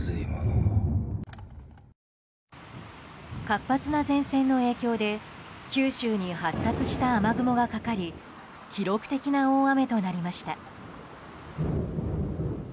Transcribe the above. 活発な前線の影響で九州に発達した雨雲がかかり記録的な大雨となりました。